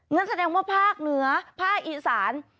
งั้นแสดงว่าภาคเหนือภาคอีสาน